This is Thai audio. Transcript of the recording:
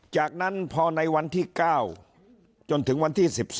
จากนั้นพอในวันที่๙จนถึงวันที่๑๒